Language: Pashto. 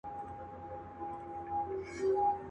کتابونو کي راغلې دا کيسه ده.